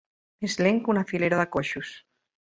Més lent que una filera de coixos.